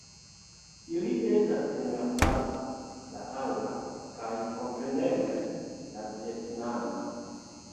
Ili estas en la franca, la angla kaj kompreneble la vjetnama